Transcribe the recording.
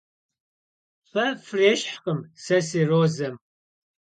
Фэ фрещхькъым сэ си розэм.